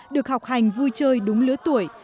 được học hành vui chơi đúng lứa tuổi